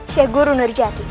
syekh guru nerjati